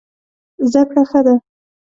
زده کړه ښه ده.